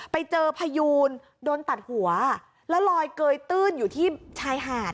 ไปดูพยูนโดนตัดหัวแล้วลอยเกยตื้นอยู่ที่ชายหาด